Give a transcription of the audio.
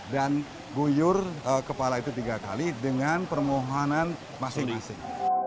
dan gunyur kepala itu tiga kali dengan permohonan masing masing